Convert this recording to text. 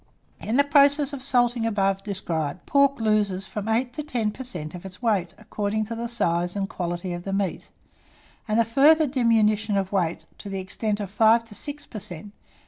In the process of salting above described, pork loses from eight to ten per cent. of its weight, according to the size and quality of the meat; and a further diminution of weight, to the extent of five to six per cent.